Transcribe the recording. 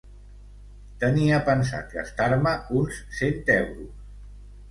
Tenia pensat gastar-me uns cent euros.